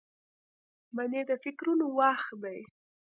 منی د فکرونو وخت دی